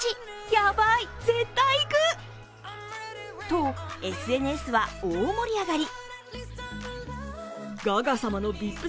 とＳＮＳは大盛り上がり。